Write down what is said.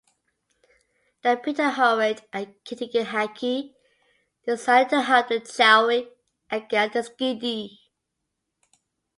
The Pitahauerit and Kitkehahki decided to help the Chaui against the Skidi.